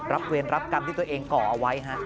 รับเวรรับกรรมที่ตัวเองก่อไว้